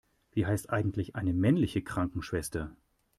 Wie heißt eigentlich eine männliche Krankenschwester?